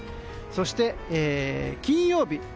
そして、金曜日。